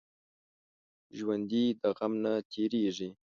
ژوندي د غم نه تېریږي